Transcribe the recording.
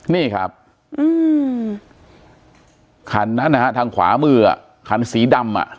นี่ครับอืมคันนั้นนะฮะทางขวามืออ่ะคันสีดำอ่ะ